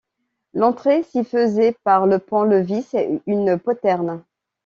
L'entrée s'y faisait par le pont-levis et une poterne.